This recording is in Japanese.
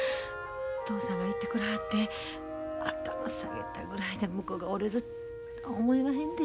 嬢さんが行ってくれはって頭下げたぐらいで向こうが折れるとは思えまへんで。